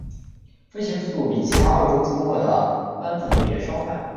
飞行速度比其他澳洲出没的斑粉蝶稍快。